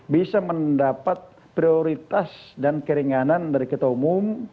bisa mendapat prioritas dan keringanan dari ketua umum